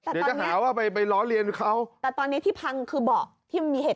เดี๋ยวจะหาว่าไปไปล้อเลียนเขาแต่ตอนนี้ที่พังคือเบาะที่มันมีเหตุ